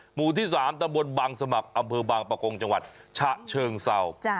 หมู่ที่๓ตะบนบางสมัครอำเภอบางประกงจังหวัดฉะเชิงเศร้า